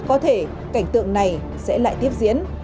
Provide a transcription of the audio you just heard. thì rất có thể cảnh tượng này sẽ lại tiếp diễn